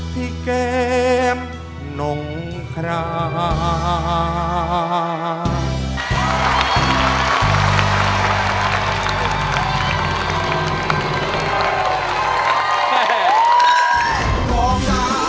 ที่แก้มนมคราน